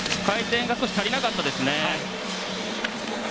回転が少し足りなかったですね。